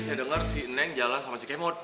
saya dengar si neng jalan sama si kemot